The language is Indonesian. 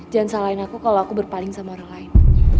jangan salahin aku kalau aku berpaling sama orang lain